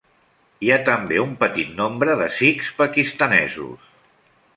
Hi ha també un petit nombre de sikhs pakistanesos.